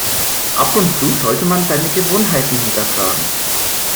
Ab und zu sollte man seine Gewohnheiten hinterfragen.